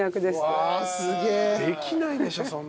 できないでしょ